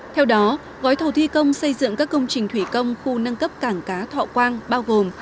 theo đó gói thầu thi công xây dựng các công trình thủy công khu nâng cấp cảng cá thọ quang bao gồm